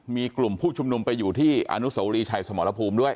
มีกลุ่มผู้ชุมนุมไปอยู่ที่อนุสวรีชัยสมรภูมิด้วย